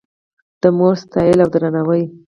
د مور ستایل او درناوی